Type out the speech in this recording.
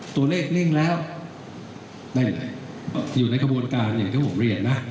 ตัวเลขนิ่งแล้วอยู่ในกระบวนการอย่างที่ผมเรียนนะ